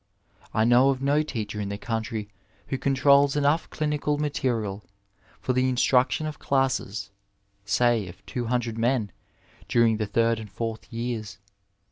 I know of no teacher in the country who controls enough clinical material for the instruction of classes say of 200 men during the third and fourth years.